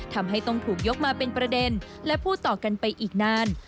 ทำให้ต้องถูกยกมาเป็นประเด็นและพูดต่อกันไปอีกนาน